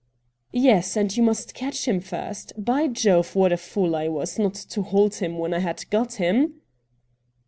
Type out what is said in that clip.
'Yes — and you must catch him first. By Jove, what a fool I was not to hold him when I had got him